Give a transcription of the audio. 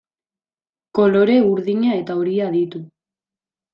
Kolore urdina eta horia ditu.